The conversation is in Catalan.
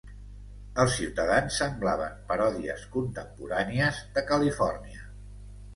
Els ciutadans semblaven paròdies contemporànies de Califòrnia.